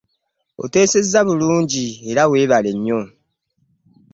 Oteesezza bulungi era weebale nnyo.